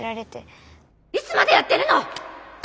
いつまでやってるの！